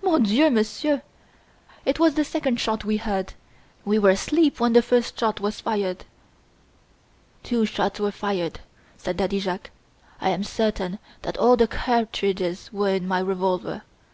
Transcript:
"Mon Dieu! Monsieur it was the second shot we heard. We were asleep when the first shot was fired." "Two shots were fired," said Daddy Jacques. "I am certain that all the cartridges were in my revolver.